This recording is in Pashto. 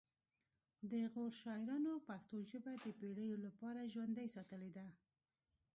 د غور شاعرانو پښتو ژبه د پیړیو لپاره ژوندۍ ساتلې ده